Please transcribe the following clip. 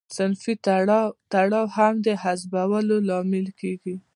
صنفي تړاو هم د حذفولو لامل کیږي.